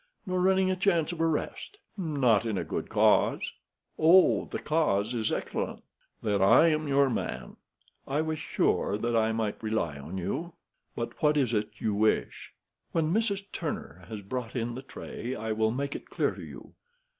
"Nor running a chance of arrest?" "Not in a good cause." "Oh, the cause is excellent!" "Then I am your man." "I was sure that I might rely on you." "But what is it you wish?" "When Mrs. Turner has brought in the tray I will make it clear to you.